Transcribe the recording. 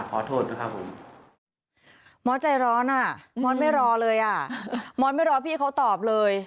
มอสใจร้อนอ่ะมอสไม่รอเลยอ่ะมอสไม่รอพี่เขาตอบเลย